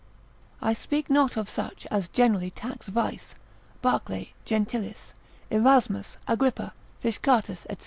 I speak not of such as generally tax vice, Barclay, Gentilis, Erasmus, Agrippa, Fishcartus, &c.